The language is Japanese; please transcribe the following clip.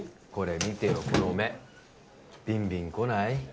これ見てよこの目ビンビンこない？